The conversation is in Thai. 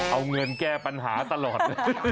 เอาเงินแก้ปัญหาตลอดเลย